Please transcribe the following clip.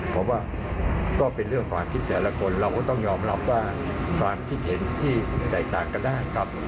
ผมว่าก็เป็นเรื่องความคิดแต่ละคนเราก็ต้องยอมรับว่าความคิดเห็นที่แตกต่างกันได้ครับ